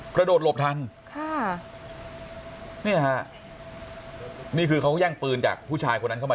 กระโดดหลบทันค่ะเนี่ยฮะนี่คือเขาแย่งปืนจากผู้ชายคนนั้นเข้ามา